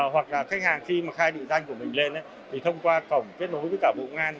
hoặc là khách hàng khi mà khai định danh của mình lên thì thông qua cổng kết nối với cả bộ ngoan